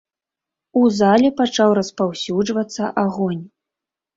У зале пачаў распаўсюджвацца агонь.